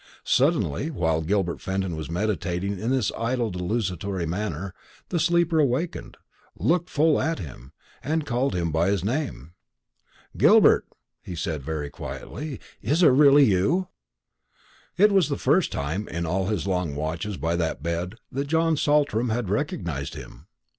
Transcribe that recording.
Suddenly, while Gilbert Fenton was meditating in this idle desultory manner, the sleeper awakened, looked full at him, and called him by his name. "Gilbert," he said very quietly, "is it really you?" It was the first time, in all his long watches by that bed, that John Saltram had recognised him.